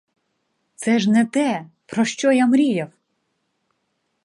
Це ж не те, про що я мріяв!